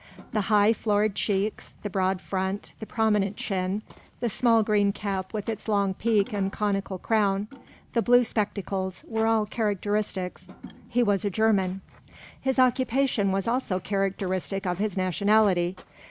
The high, florid cheeks, the broad front, the prominent chin, the small green cap with its long peak and conical crown, the blue spectacles, were all characteristics. He was a German. His occupation was also characteristic of his nationality.